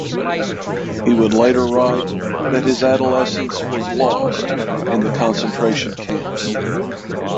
He would later write that his adolescence was "lost" in the concentration camps.